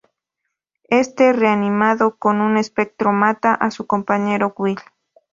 Éste, reanimado como un espectro, mata a su compañero Will.